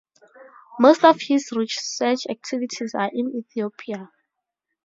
Most of his research activities are in Ethiopia.